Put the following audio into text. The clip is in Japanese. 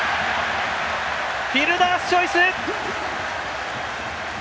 フィルダースチョイス！